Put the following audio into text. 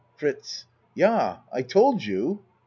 FRITZ Yah, I told you.